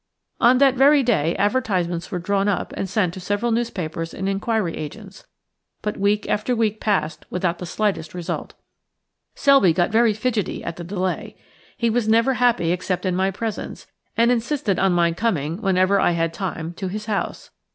On that very day advertisements were drawn up and sent to several newspapers and inquiry agents; but week after week passed without the slightest result. Selby got very fidgety at the delay. He was never happy except in my presence, and insisted on my coming, whenever I had time, to his house.